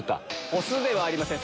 お酢ではありません。